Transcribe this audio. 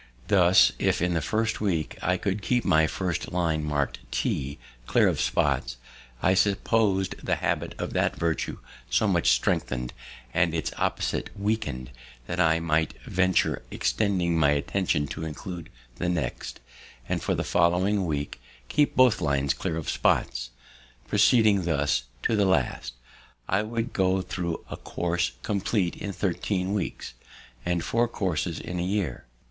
Thus, if in the first week I could keep my first line, marked T, clear of spots, I suppos'd the habit of that virtue so much strengthen'd, and its opposite weaken'd, that I might venture extending my attention to include the next, and for the following week keep both lines clear of spots. Proceeding thus to the last, I could go thro' a course compleat in thirteen weeks, and four courses in a year.